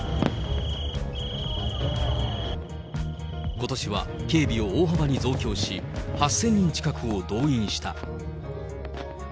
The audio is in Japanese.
ことしは警備を大幅に増強し、８０００人近くを動員した。